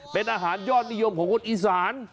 เป็นอาหารยอดนิยมของคนอีสาน